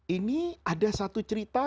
ini ada satu cerita